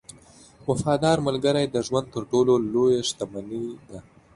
• وفادار ملګری د ژوند تر ټولو لوی شتمنۍ ده.